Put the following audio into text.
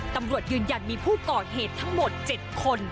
ตำรวจยืนยันมีผู้ก่อเหตุทั้งหมด๗คน